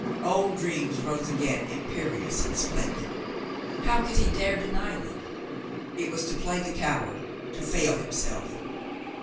Old dreams rose again imperious and splendid. How could he dare deny them? It was to play the coward, to fail himself.